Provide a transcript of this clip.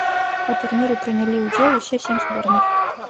У турніры прынялі ўдзел усе сем зборных.